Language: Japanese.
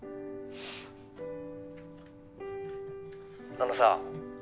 あのさ。